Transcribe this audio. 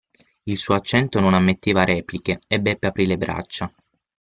Il suo accento non ammetteva repliche, e Beppe aprì le braccia.